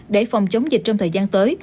để phòng chống dịch trong thời gian tới